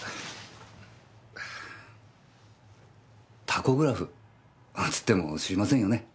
タコグラフつっても知りませんよね？